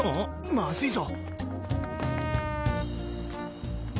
まずいぞ。